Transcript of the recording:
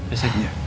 ya saya pergi